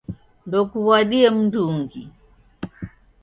Ndukuw'adie mndungi